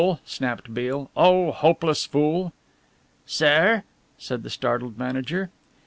snapped Beale. "Oh, hopeless fool!" "Sare!" said the startled manager.